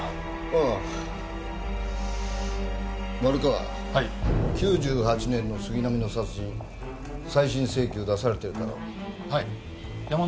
ああ丸川９８年の杉並の殺人再審請求出されてるだろうはい山ノ